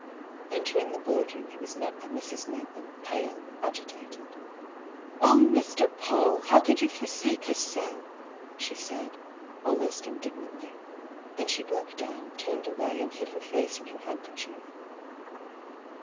Entering the board room he was met by Mrs. Mer vyn, pale, agitated. " Oh, Mr. Paull ! How could you forsake us so ?" she said, almost indignantly. Then she broke down, turned away, and hid her face in her handkerchief.